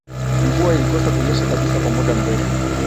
Mvua ilikosa kunyesha kabisa kwa muda mrefu